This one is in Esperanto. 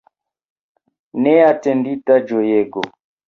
Neatendita ĝojego!